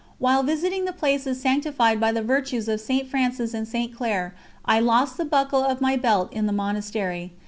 While visiting the places sanctified by the virtues of St. Francis and St. Clare I lost the buckle of my belt in the monastery.